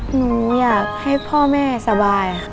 หนูอยากให้พ่อแม่สบายค่ะ